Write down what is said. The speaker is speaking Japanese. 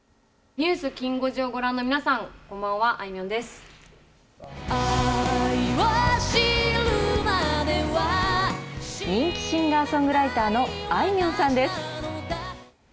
ニュースきん５時をご覧の皆さん、こんばんは、あいみょんで人気シンガーソングライターのあいみょんさんです。